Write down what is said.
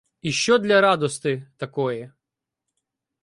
І що для радости такої